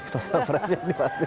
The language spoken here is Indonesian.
pas pampresnya dimaksud